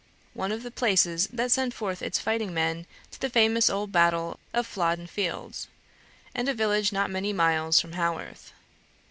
one of the places that sent forth its fighting men to the famous old battle of Flodden Field, and a village not many miles from Haworth.